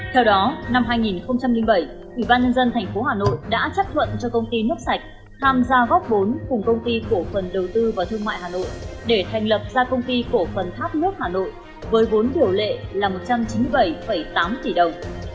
theo đó năm hai nghìn bảy ủy ban nhân dân tp hà nội đã chấp thuận cho công ty nước sạch tham gia góp vốn cùng công ty cổ phần đầu tư và thương mại hà nội để thành lập ra công ty cổ phần thoát nước hà nội với vốn điều lệ là một trăm chín mươi bảy tám tỷ đồng